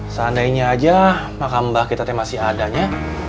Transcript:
seandainya aja makam mbak ketatnya masih adanya